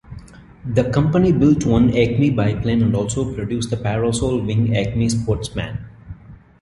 The company built one Acme Biplane and also produced the parasol wing Acme Sportsman.